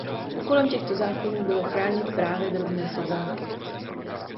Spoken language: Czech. Úkolem těchto zákonů bylo chránit právě drobné sedláky.